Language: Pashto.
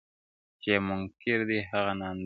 چي یې منکر دی هغه نادان دی!